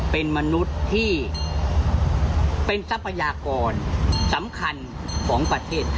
เป็นมนุษย์ที่เป็นทรัพยากรสำคัญของประเทศ